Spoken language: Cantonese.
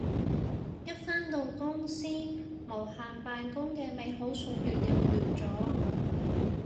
一返到公司無限扮工嘅美好歲月又完咗